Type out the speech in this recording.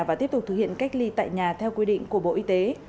và tiếp tục thực hiện cách ly tại nhà theo quy định của bộ y tế